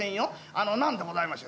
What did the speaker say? あのなんでございましょう？